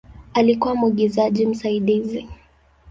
Alikuwa mwigizaji msaidizi.